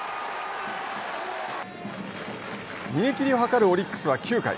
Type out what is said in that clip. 逃げきりを図るオリックスは９回。